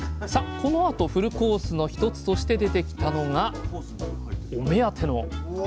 このあとフルコースの１つとして出てきたのがお目当てのお！